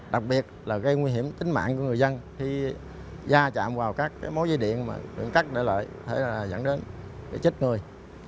đặc biệt là gây nguy hiểm tính mạng của người dân khi ra chạm vào các mối dây điện mà tượng cắt để lợi thể dẫn đến chết người